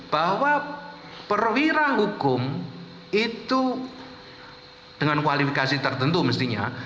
bahwa perwira hukum itu dengan kualifikasi tertentu mestinya